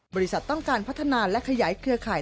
บริษัทต้องการพัฒนาและขยายเครือข่าย